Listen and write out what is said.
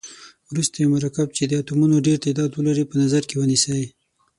وروسته یو مرکب چې د اتومونو ډیر تعداد ولري په نظر کې ونیسئ.